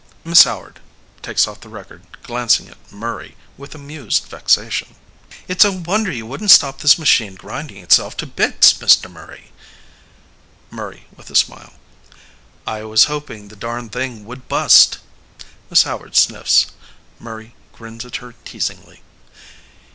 MISS HOWARD (takes off the record, glancing at Murray with amused vexation^} It s a wonder you wouldn t stop this machine grinding itself to bits, Mr. Murray. MURRAY (with a smile.} I was hoping the darn thing would bust. (Miss Howard sniffs. Murray grins at her teasingly.